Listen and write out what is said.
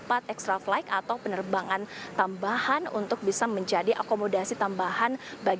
ini juga menambah lima puluh empat extra flight atau penerbangan tambahan untuk bisa menjadi akomodasi tambahan